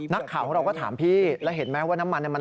นักข่าวเราก็ถามพี่แล้วเห็นไหมว่าน้ำมัน